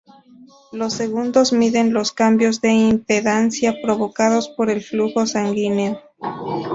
Los segundos miden los cambios de impedancia provocados por el flujo sanguíneo.